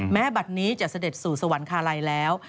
บัตรนี้จะเสด็จสู่สวรรคาลัยแล้ว